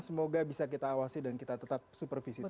semoga bisa kita awasi dan kita tetap supervisi